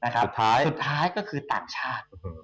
สุดท้ายก็คือต่างชาติ